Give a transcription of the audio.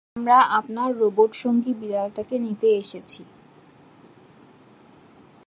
আমরা আপনার রোবট-সঙ্গী বিড়ালটাকে নিতে এসেছি।